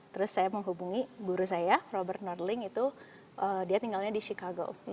terus saya menghubungi guru saya robert nordling itu dia tinggalnya di chicago